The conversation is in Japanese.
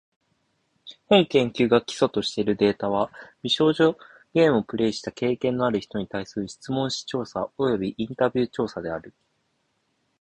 本研究が基礎としているデータは、美少女ゲームをプレイした経験のある人に対する質問紙調査およびインタビュー調査である。